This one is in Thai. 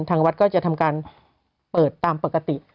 ทางวัดก็จะทำการเปิดตามปกติ